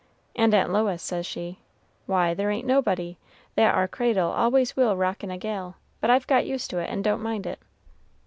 and Aunt Lois says she, 'Why, there ain't nobody. That ar cradle always will rock in a gale, but I've got used to it, and don't mind it.'